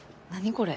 これ。